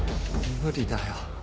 無理だよ